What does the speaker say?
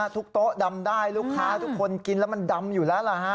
โต๊ะดำได้ลูกค้าทุกคนกินแล้วมันดำอยู่แล้วล่ะฮะ